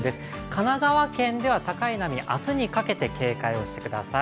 神奈川県では高い波、明日にかけて警戒をしてください。